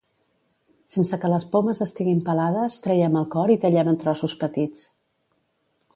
Sense que les pomes estiguin pelades, traiem el cor i tallem en trossos petits.